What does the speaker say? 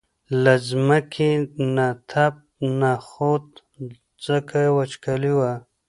له ځمکې نه تپ نه خوت ځکه وچکالي وه.